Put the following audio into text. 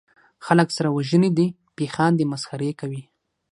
خلک سره وژني دي پې خاندي مسخرې کوي